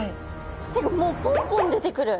もうポンポン出てくる。